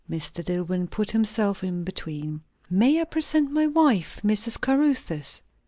Mr. Dillwyn put himself in between. "May I present my wife, Mrs. Caruthers?"